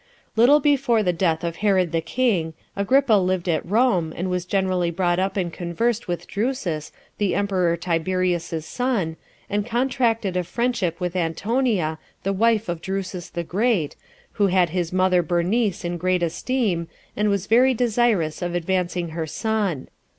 1. A Little before the death of Herod the king, Agrippa lived at Rome, and was generally brought up and conversed with Drusus, the emperor Tiberius's son, and contracted a friendship with Antonia, the wife of Drusus the Great, who had his mother Bernice in great esteem, and was very desirous of advancing her son.